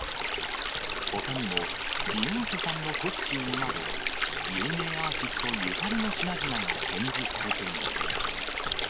ほかにも、ビヨンセさんのコスチュームなど、有名アーティストゆかりの品々が展示されています。